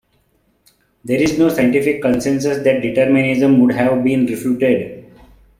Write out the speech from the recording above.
There is no scientific consensus that determinism would have been refuted.